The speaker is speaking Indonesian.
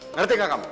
ngerti gak kamu